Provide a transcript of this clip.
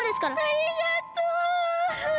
ありがとう！